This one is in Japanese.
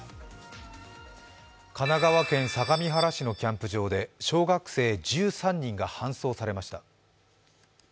神奈川県相模原市のキャンプ場で小学生１３人が搬送されました。